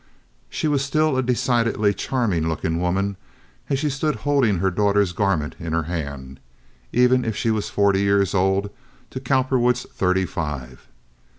She was still a decidedly charming looking woman as she stood holding her daughter's garment in her hand, even if she was forty years old to Cowperwood's thirty five.